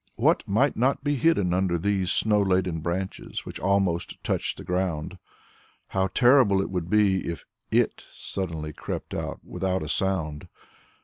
What might not be hidden under these snow laden branches which almost touched the ground? How terrible it would be if "it" suddenly crept out without a sound.